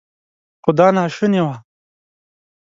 خو دا ناشونې وه.